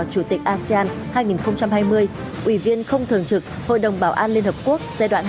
chủ tịch asean hai nghìn hai mươi ủy viên không thường trực hội đồng bảo an liên hợp quốc